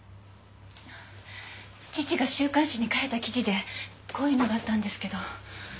父が週刊誌に書いた記事でこういうのがあったんですけど。